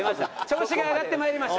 調子が上がってまいりました。